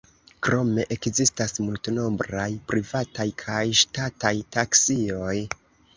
Krome ekzistas multnombraj privataj kaj ŝtataj taksioj.